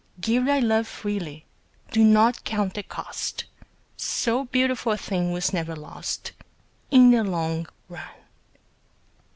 Give thy love freely; do not count the cost; So beautiful a thing was never lost In the long run.